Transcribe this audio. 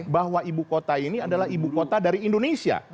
bahwa ibu kota ini adalah ibu kota dari indonesia